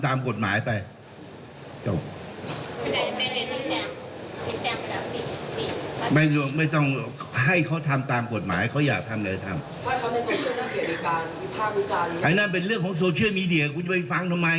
อันนั้นเป็นเรื่องของโซเชียลมีเดียคุณจะไปฟังทำไม